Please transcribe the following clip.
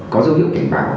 có dấu hiệu cảnh báo